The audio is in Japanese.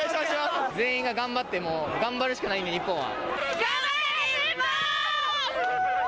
全員が頑張って、頑張るしかないんで、日本は。